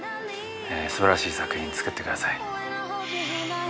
素晴らしい作品作ってください。